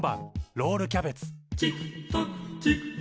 ロールキャベツ。